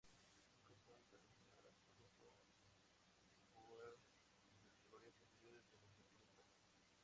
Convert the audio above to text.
Nunca fue internacional absoluto, aunque jugó en las categorías inferiores de la selección española.